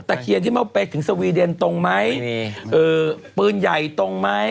เคียนที่ว่าไปถึงสวีเดนตรงไหมปืนใหญ่ตรงไหม